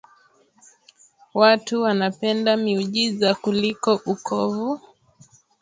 Watu wanapenda miujiza kuliko ukovu